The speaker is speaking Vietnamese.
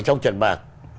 trong trận bạc